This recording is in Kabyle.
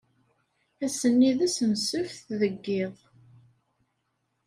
Ass-nni d ass n ssebt, deg yiḍ.